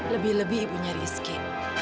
lebih lebih ibu nyari iski